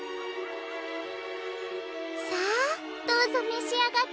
さあどうぞめしあがって。